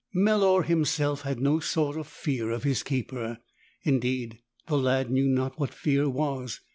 Melor himself had no sort of fear of his keeper. Indeed, the lad knew not what fear was.